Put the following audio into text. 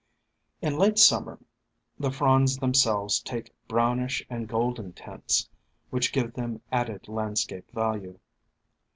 In late Summer the fronds themselves take brownish and golden tints, which give them added land scape value.